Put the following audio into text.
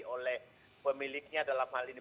oleh pemiliknya dalam hal ini